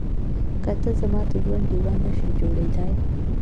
که ته زما د ژوند ډيوه نه شې جوړېدای.